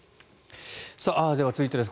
では、続いてです。